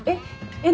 えっ？